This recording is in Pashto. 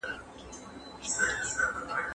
روژه مو قبوله شه.